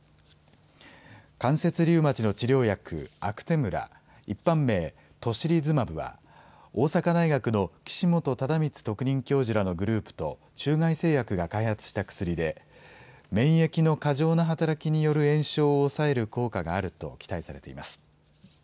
関節リウマチの治療薬、アクテムラ・一般名・トシリズマブは大阪大学の岸本忠三特任教授らのグループと中外製薬が開発した薬で免疫の過剰な働きによる炎症を抑える効果があると期待されています。